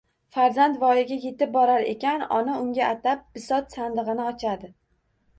Farzand voyaga yetib borar ekan, ona unga atab bisot sandig’ini ochadi.